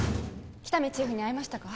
喜多見チーフに会いましたか？